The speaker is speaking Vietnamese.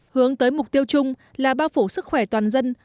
hướng tới mục tiêu chung là bao phủ sức khỏe toàn dân